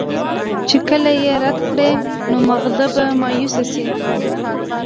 چې کله ئې رد کړي نو مازغۀ به مايوسه شي